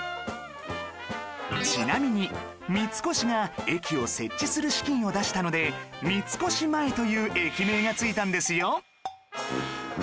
ちなみに三越が駅を設置する資金を出したので三越前という駅名がついたんですよ